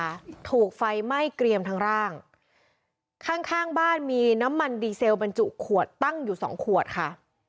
ถูกไฟไหม้เกรียมทั้งร่างข้างข้างบ้านมีน้ำมันดีเซลบรรจุขวดตั้งอยู่สองขวดค่ะ